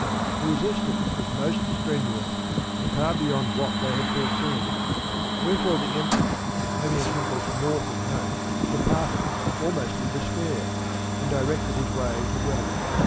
The resistance was most strenuous, and far beyond what they had foreseen ; wherefore the Emperor, having accomplished nought of note, departed almost in despair, and directed his way to Rome.